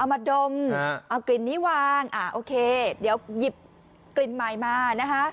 มาดมเอากลิ่นนี้วางอ่าโอเคเดี๋ยวหยิบกลิ่นใหม่มานะคะ